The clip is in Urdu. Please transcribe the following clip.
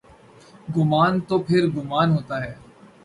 گمان تو پھرگمان ہوتا ہے۔